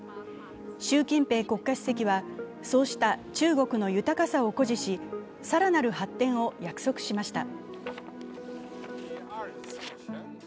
習近平国家主席は、そうした中国の豊かさを誇示し更なる発展を約束しました。